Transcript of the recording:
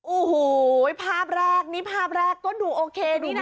โอ้โหภาพแรกนี่ภาพแรกก็ดูโอเคดีนะ